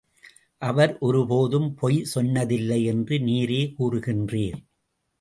அவர் ஒரு போதும் பொய் சொன்னதில்லை என்று நீரே கூறுகின்றீர்.